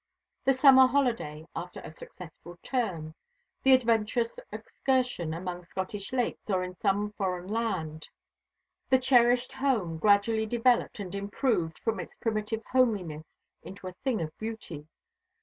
The summer holiday after a successful term; the adventurous excursion among Scottish lakes or in some foreign land; the cherished home, gradually developed and improved from its primitive homeliness into a thing of beauty.